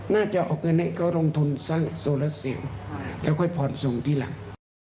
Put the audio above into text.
น่าจะออกเงินให้เขาลงทุนสร้างโซลาซิลแล้วค่อยผ่อนส่งทีหลัง